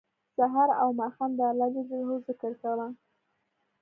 سهار او ماښام د الله ج ذکر کوه